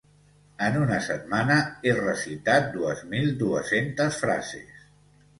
En una setmana he recitat dues mil dues-centes frases